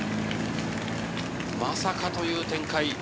まさかという展開。